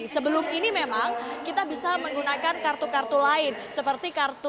sebelum ini memang kita bisa menggunakan kartu kartu lain seperti kartu